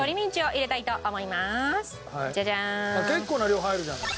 結構な量入るじゃない。